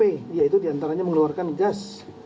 yaitu diantaranya mengeluarkan gas